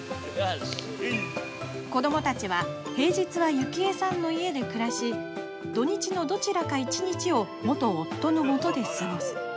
子どもたちは平日はゆきえさんの家で暮らし土日のどちらか一日を元夫のもとで過ごす。